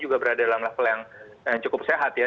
juga berada dalam level yang cukup sehat ya